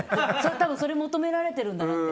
多分それ求められてるんだなって。